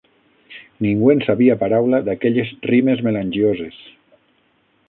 Ningú en sabia paraula d'aquelles rimes melangioses